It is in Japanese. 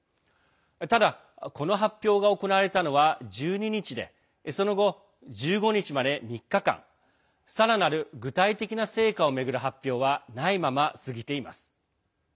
ただ、この発表が行われたのは１２日でその後、１５日まで３日間さらなる具体的な成果を巡る発表はないまま過ぎています。